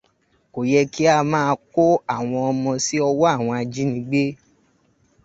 Kò yẹ kí ẹ máa kó àwọn ọmọ sí ọwọ àwọn ajínigbé.